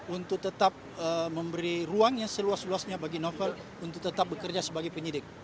untuk tetap memberi ruang yang seluas luasnya bagi novel untuk tetap bekerja sebagai penyidik